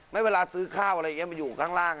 ไม่เวลาซื้อข้าวอะไรอยู่ข้างล่าง